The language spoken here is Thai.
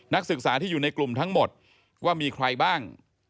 นักศึกษาที่อยู่ในกลุ่มทั้งหมดว่ามีใครบ้าง